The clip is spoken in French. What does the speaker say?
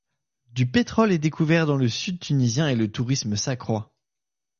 Du pétrole est découvert dans le Sud tunisien et le tourisme s'accroît.